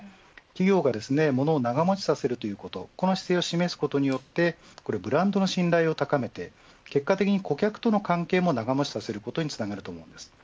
企業がものを長持ちさせるということこの姿勢を示すことによってブランドの信頼を高めて結果的に顧客との関係も長持ちさせることにつながります。